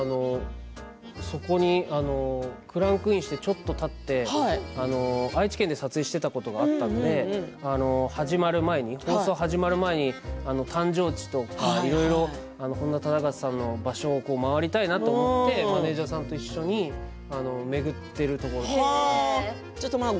そこにクランクインしてちょっとたって、愛知県で撮影していたことがあったので放送が始まる前に本多忠勝さんの場所を回りたいなと思ってマネージャーさんと一緒に巡っているところです。